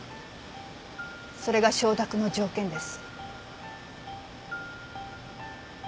それが承諾の条件です。